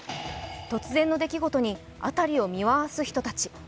突然の出来事に辺りを見回す人たち。